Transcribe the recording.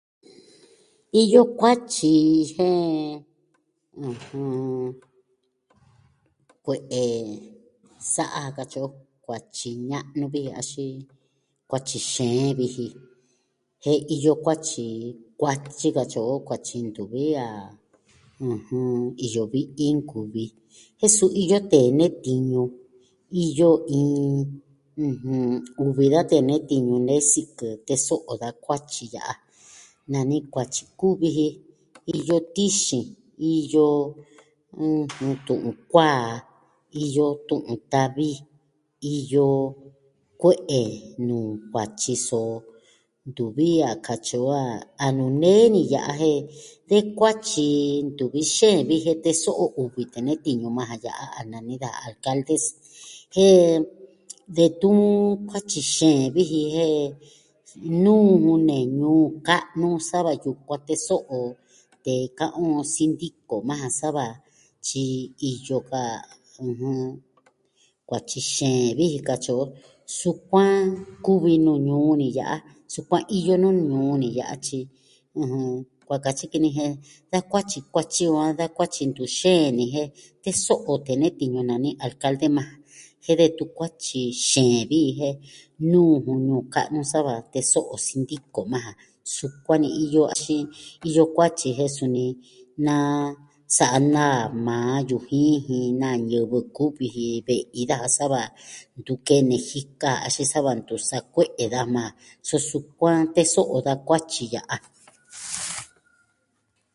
Iyo kuatyi jen, ɨjɨn, kue'e, sa'a katyi o, kuatyi ña'nu vi axin kuatyi xeen viji jen iyo kuatyi, kuatyi katyi o, kuatyi ntuvi a, ɨjɨn, iyo vi'i nkuvi. Jen suu iyo tee nee tiñu. Iyo iin uvi da tee nee tiñu ne sikɨ teso'o da kuatyi ya'a, nani kuatyi kuvi ji iyo tixin, iyo tu'un kuaa, iyo tu'un ta'vi, iyo kue'e nuu kuatyi so, ntuvi a katyi o a nuju nee ni ya'a jen tee kuatyi ntuvi xeen vi ji teso'o uvi tee nee tiñu majan ya'a a nani alcaldes jen detun kuatyi xeen vi ji jen nuu ne ñuu ka'nu sa va yukuan teso'o tee ka'an on sindiko majan sa va tyi iyo ka kuatyi xeen vi ji katyi o, sukuan kuvi nuu ñuu ni ya'a, sukluan iyo nuu ñuu ni ya'a, tyi, ɨjɨn, kua katyi ki ni jen da kuatyi kuatyi o a da lkuatyi ntu xeen ni jen teso'o tee nee tiñu nani alkalde majan jen detun kuatyi xeen vi jen nuu jun ñuu ka'nu sa va teso'o sindiko majan. Sukuan ni iyo... axin iyo kuatyi jen suni naa sa'a naa majan yujin jin na ñivɨ kuvi ji ve'i daja sa va ntu kene jika axin sa va ntu sa'a kue'e daja majan, suu sukuan teso'o o da kuatyi ya'a.